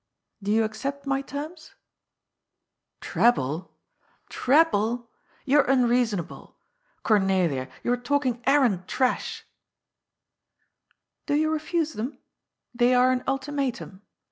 Do you accept my terms ?" "Treble I Treble! You are unreasonable. Cornelia, you are talking arrant trash I "" Do you refuse them ? They are an ultimatum.